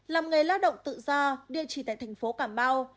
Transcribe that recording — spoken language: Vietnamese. làm nghề lao động tự do điều trị tại thành phố cà mau